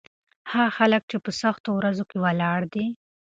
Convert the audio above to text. هغه خلک چې په سختو ورځو کې ولاړ دي.